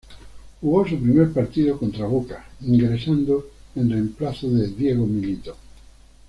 Jugó su primer partido contra Boca, ingresando en reemplazo de Diego Milito.